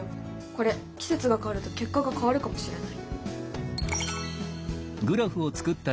これ季節が変わると結果が変わるかもしれない。